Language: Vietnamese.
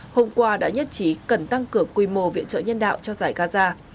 hôm qua đã nhất trí cần tăng cửa quy mô viện trợ nhân đạo cho giải gaza